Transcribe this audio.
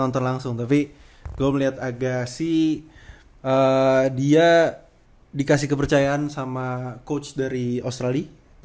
voltor langsung tapi gua melihat agassi dia dikasih kepercayaan sama coach dari australia